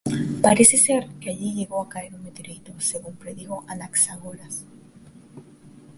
Parece ser que allí llegó a caer un meteorito, según predijo Anaxágoras.